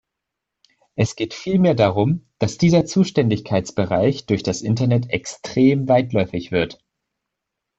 Es geht vielmehr darum, dass dieser Zuständigkeitsbereich durch das Internet extrem weitläufig wird.